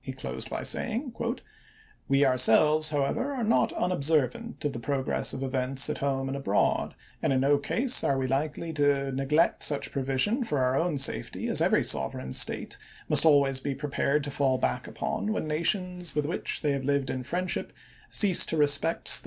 He closed by saying, " We ourselves, however, are not unobservant of the pro gress of events at home and abroad ; and in no case are we likely to neglect such provision for our own safety as every sovereign state must always be pre pared to fall back upon when nations with which to Dayton, •^ x Sept. 26, they have lived in friendship cease to respect their i863.